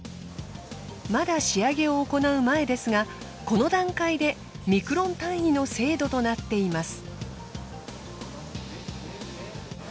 まだ仕上げを行う前ですがこの段階でミクロン単位の精度となっています。